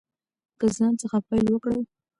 له ځان څخه پیل وکړئ.